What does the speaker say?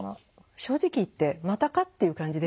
正直言ってまたかっていう感じですね。